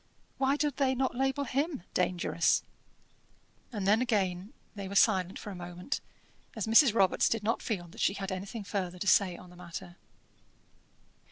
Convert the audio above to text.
Why do they not label him 'dangerous'?" And then again they were silent for a moment, as Mrs. Robarts did not feel that she had anything further to say on the matter.